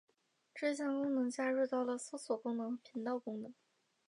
这项功能加入到了搜寻功能和频道功能。